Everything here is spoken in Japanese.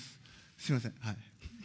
すみません、はい。